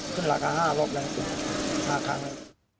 ขึ้นราคา๕รอบเลย๕ครั้งเลย